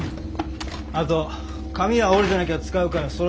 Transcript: あと紙は折れてなきゃ使うからそろえとけ。